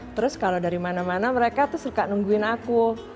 terus kalau dari mana mana mereka tuh suka nungguin aku